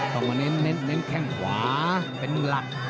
ต้องมาเน้นแข้งขวาเป็นหนึ่งหลัก